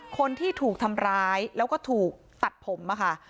คนที่ถูกทำร้ายแล้วก็ถูกตัดผมอะค่ะ